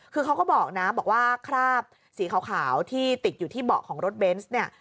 คือเขาก็บอกนะบอกว่าคราบสีขาวที่ติดอยู่ที่เบาะของรถเบนส์เนี่ย